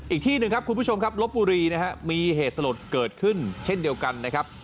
อีกที่หนึ่งครับคุณผู้ชมครับลบบุรีนะครับมีเหตุสลดเกิดขึ้นเช่นเดียวกันนะครับ